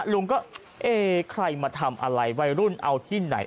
ลุงก็เอ๊ใครมาทำอะไรวัยรุ่นเอาที่ไหน